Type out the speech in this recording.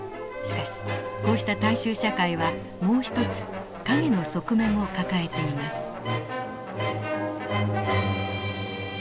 しかしこうした大衆社会はもう一つ陰の側面を抱えています。